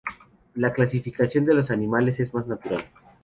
La clasificación de los animales es más natural.